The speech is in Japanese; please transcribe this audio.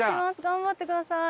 頑張ってください。